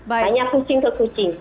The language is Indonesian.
hanya kucing ke kucing